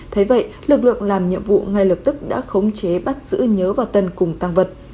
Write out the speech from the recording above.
thế vậy lực lượng làm nhiệm vụ ngay lập tức đã khống chế bắt giữ nhớ và tân cùng tăng vật